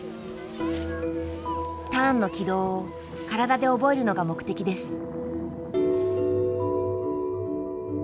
ターンの軌道を体で覚えるのが目的です。